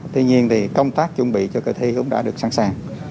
tuy nhiên thì công tác chuẩn bị cho kỳ thi cũng đã được sẵn sàng